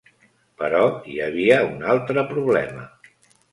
Però hi havia un altre problema.